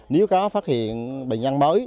nếu có phát hiện bệnh nhân mới